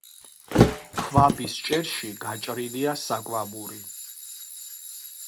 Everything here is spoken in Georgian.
ქვაბის ჭერში გაჭრილია საკვამური.